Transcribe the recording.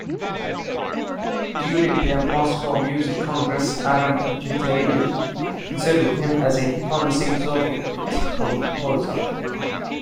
During the Moscow Music Congress Aram Khachaturian considered him as a promising Soviet composer.